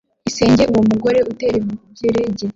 isenge uwo mugore uterebyerege